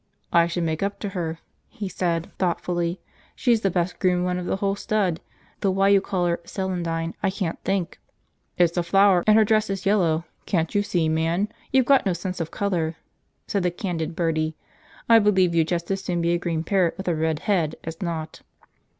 "I should make up to her," he said thoughtfully. "She's the best groomed one of the whole stud, though why you call her Celandine I can't think." "It's a flower, and her dress is yellow, can't you see, man? You've got no sense of colour," said the candid Bertie. "I believe you'd just as soon be a green parrot with a red head as not."